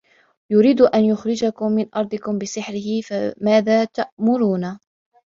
يُريدُ أَن يُخرِجَكُم مِن أَرضِكُم بِسِحرِهِ فَماذا تَأمُرونَ